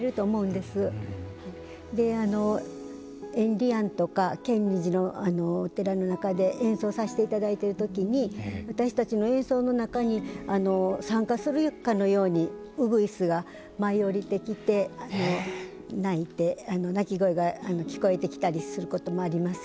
であの厭離庵とか建仁寺のお寺の中で演奏させて頂いてる時に私たちの演奏の中に参加するかのようにウグイスが舞い降りてきて鳴いて鳴き声が聞こえてきたりすることもあります。